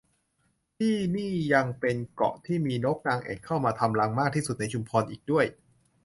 ที่นี่ยังเป็นเกาะที่มีนกนางแอ่นเข้ามาทำรังมากที่สุดในชุมพรอีกด้วย